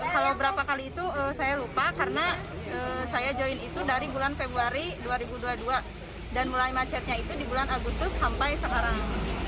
kalau berapa kali itu saya lupa karena saya join itu dari bulan februari dua ribu dua puluh dua dan mulai macetnya itu di bulan agustus sampai sekarang